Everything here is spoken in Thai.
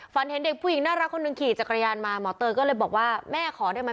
เห็นเด็กผู้หญิงน่ารักคนหนึ่งขี่จักรยานมาหมอเตยก็เลยบอกว่าแม่ขอได้ไหม